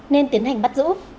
nên tiến hành bắt giữ